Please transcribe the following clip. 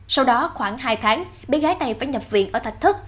sau đó khoảng hai tháng bé gái này phải nhập viện ở thạch thất